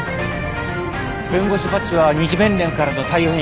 弁護士バッジは日弁連からの貸与品。